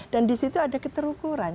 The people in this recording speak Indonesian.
dan di situ ada keterukuran